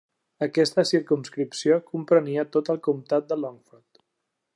Aquesta circumscripció comprenia tot el comtat de Longford.